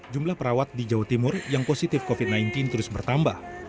jumlah perawat di jawa timur yang positif covid sembilan belas terus bertambah